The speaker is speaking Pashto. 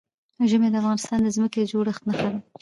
ژمی د افغانستان د ځمکې د جوړښت نښه ده.